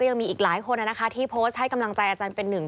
ยังมีอีกหลายคนนะคะที่โพสต์ให้กำลังใจอาจารย์เป็นหนึ่ง